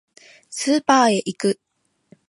スーパーへ行く